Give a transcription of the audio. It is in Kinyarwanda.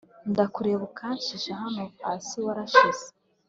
Ndakureba ukanshisha naho hasi warashize.